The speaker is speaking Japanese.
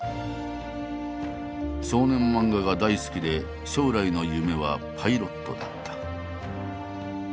少年漫画が大好きで将来の夢はパイロットだった。